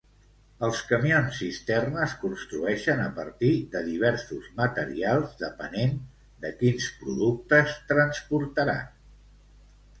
Els camions cisterna es construeixen a partir de diversos materials depenent de quins productes transportaran.